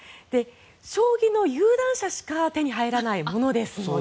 将棋の有段者しか手に入らないものですので。